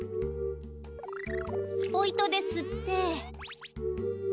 スポイトですって。